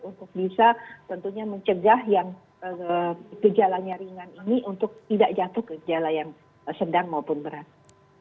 untuk bisa tentunya mencegah yang gejalanya ringan ini untuk tidak jatuh ke gejala yang sedang maupun berat